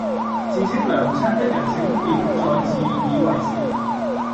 自稱娘親的人請別再自以為是